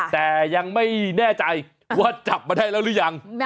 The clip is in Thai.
แต่ยังไม่แน่ใจว่าจับมาได้แล้วหรือยัง